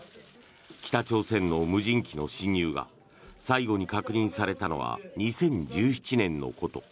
北朝鮮の無人機の侵入が最後に確認されたのは２０１７年のこと。